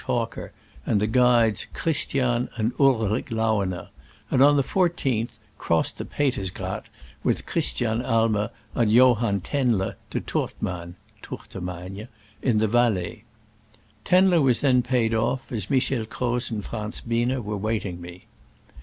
Hawker and the guides Christian and Ulrich Lauener, and on the 14th crossed the Petersgrat with Christian Aimer and Johann Tannler to Turtman (Tourtemagne) in the Valais. Tannler was then paid off, as Michel Croz and Franz Biener were awaiting me.